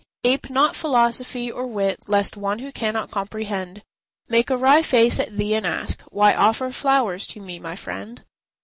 Ape not philosophy or wit, Lest one who cannot comprehend, Make a wry face at thee and ask, "Why offer flowers to me, my friend?"